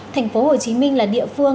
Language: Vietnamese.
tp hcm là địa phương